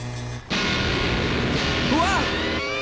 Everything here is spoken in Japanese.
うわっ！